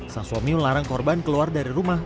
sang suami melarang korban keluar dari rumah